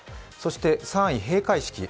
そして３位、閉会式。